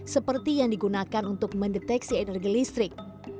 seperti yang digunakan untuk mendeteksi energi listrik